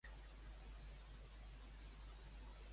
No li agraden salpa, boga ni serviola.